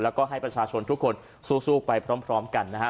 แล้วก็ให้ประชาชนทุกคนสู้ไปพร้อมกันนะฮะ